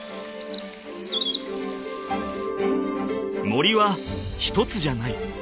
［森は一つじゃない。